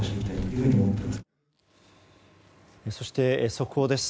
そして、速報です。